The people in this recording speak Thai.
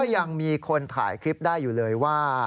ยังมีคนถ่ายคลิปได้อยู่เลยว่า